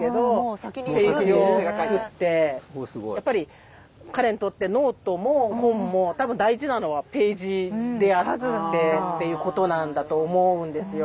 やっぱり彼にとってノートも本も多分大事なのはページであってっていうことなんだと思うんですよ。